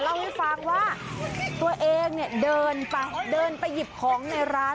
เล่าให้ฟังว่าตัวเองเนี่ยเดินไปเดินไปหยิบของในร้าน